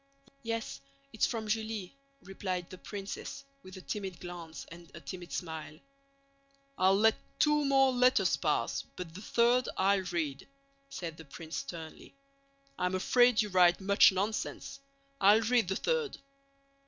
"Yes, it's from Julie," replied the princess with a timid glance and a timid smile. "I'll let two more letters pass, but the third I'll read," said the prince sternly; "I'm afraid you write much nonsense. I'll read the third!"